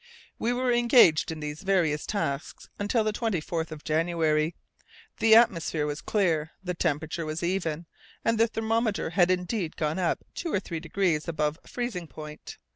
We were engaged in these various tasks until the 24th of January. The atmosphere was clear, the temperature was even, and the thermometer had indeed gone up to two or three degrees above freezing point.